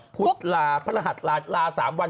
พุธลาพระรหัสลา๓วัน